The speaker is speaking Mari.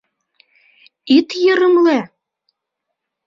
Ит йырымле!